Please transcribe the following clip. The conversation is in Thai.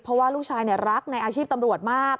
เพราะว่าลูกชายรักในอาชีพตำรวจมาก